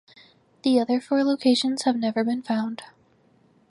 The other four locations have never been found.